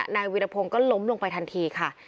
นายวิรพงศ์ก็ล้มลงไปทันทีค่ะ